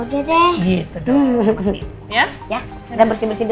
ya renna bersih bersih dulu ya